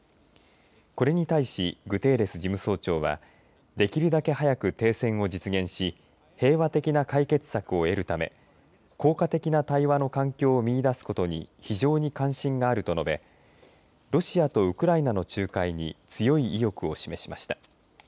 これに対しグテーレス事務総長はできるだけ早く停戦を実現し平和的な解決策を得るため効果的な対話の環境を見いだすことに非常に関心があると述べロシアとウクライナの仲介に強い意欲を示しました。